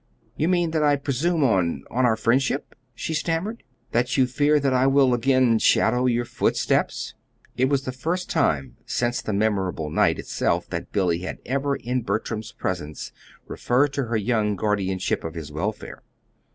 "You mean that I presume on on our friendship?" she stammered. "That you fear that I will again shadow your footsteps?" It was the first time since the memorable night itself that Billy had ever in Bertram's presence referred to her young guardianship of his welfare.